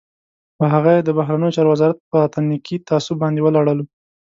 هغه یې د بهرنیو چارو وزارت په اتنیکي تعصب باندې ولړلو.